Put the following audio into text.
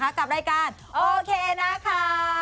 กับรายการโอเคนะคะ